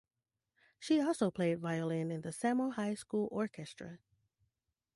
She also played violin in the Samohi school orchestra.